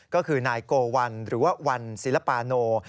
ก็คือนายโกวัลหรือว่าวันศิลปาโน